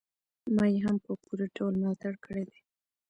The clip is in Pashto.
ما يې هم په پوره ډول ملاتړ کړی دی.